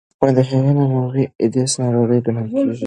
د هغې ناروغۍ اډیسن ناروغي ګڼل کېږي.